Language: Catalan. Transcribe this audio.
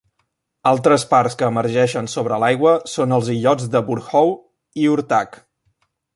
Altres parts que emergeixen sobre l'aigua són els illots de Burhou i Ortac.